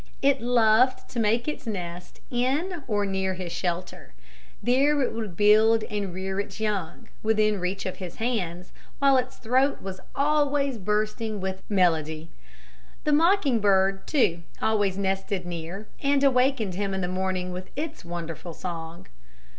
It loved to make its nest in or near his shelter. There it would build and rear its young, within reach of his hands, while its throat was always bursting with melody. The mocking bird, too, always nested near and awakened him in the morning with its wonderful song.